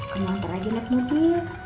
kamu antar aja nek mufi